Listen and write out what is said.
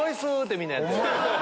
みんなやってる。